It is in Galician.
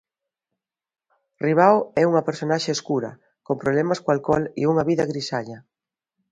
Ribao é unha personaxe escura, con problemas co alcol e unha vida grisalla.